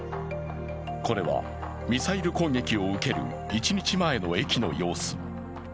これは、ミサイル攻撃を受ける１日前の駅の様子。